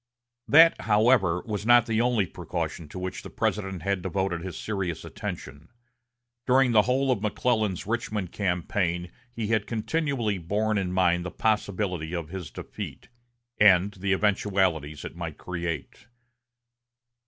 That, however, was not the only precaution to which the President had devoted his serious attention. During the whole of McClellan's Richmond campaign he had continually borne in mind the possibility of his defeat, and the eventualities it might create.